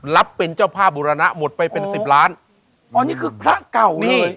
รับเป็นเจ้าภาพบุรณะหมดไปเป็นสิบล้านอ๋อนี่คือพระเก่านี่